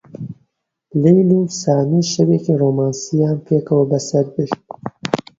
لەیلا و سامی شەوێکی ڕۆمانسییان پێکەوە بەسەر برد.